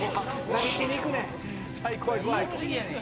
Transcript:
何しに行くねん！